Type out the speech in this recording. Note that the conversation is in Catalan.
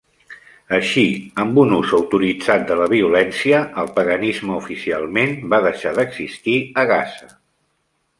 Així, amb un ús autoritzat de la violència, el paganisme oficialment va deixar d'existir a Gaza.